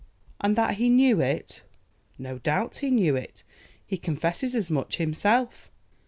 "And that he knew it?" "No doubt he knew it. He confesses as much himself."